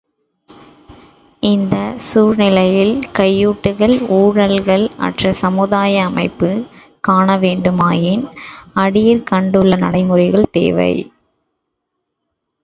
இந்தச் சூழ்நிலையில் கையூட்டுக்கள், ஊழல்கள் அற்ற சமுதாய அமைப்பு காணவேண்டுமாயின் அடியிற்கண்டுள்ள நடைமுறைகள் தேவை.